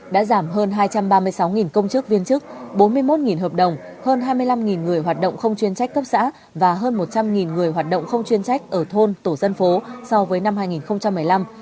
đã giảm hơn hai trăm ba mươi sáu công chức viên chức bốn mươi một hợp đồng hơn hai mươi năm người hoạt động không chuyên trách cấp xã và hơn một trăm linh người hoạt động không chuyên trách ở thôn tổ dân phố so với năm hai nghìn một mươi năm